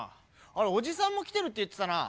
あれおじさんも来てるって言ってたな。